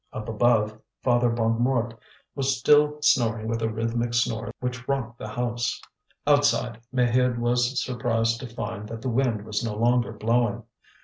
Up above, Father Bonnemort was still snoring with a rhythmic snore which rocked the house. Outside, Maheude was surprised to find that the wind was no longer blowing.